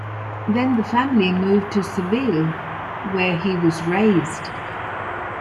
Then the family moved to Seville, where he was raised.